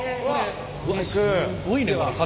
すごいね塊。